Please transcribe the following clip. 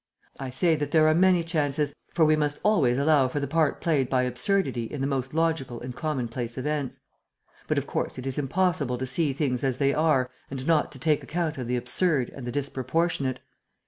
"I say that there are many chances, for we must always allow for the part played by absurdity in the most logical and commonplace events. But, of course, it is impossible to see things as they are and not to take account of the absurd and the disproportionate.